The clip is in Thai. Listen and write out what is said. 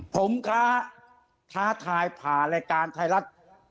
ผมค้าท้าทายผ่านรายการไทยรัฐ